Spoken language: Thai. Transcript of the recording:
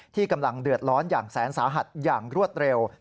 ที่กำลังเดือดร้อนอย่างแสนสาหัสอย่างรวดเร็ว